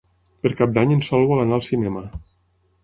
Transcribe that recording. Per Cap d'Any en Sol vol anar al cinema.